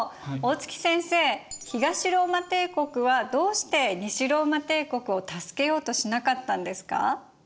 東ローマ帝国はどうして西ローマ帝国を助けようとしなかったんですか？